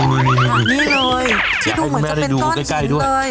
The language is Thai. นี่เลยที่ดูเหมือนจะเป็นก้อนชิ้นเลย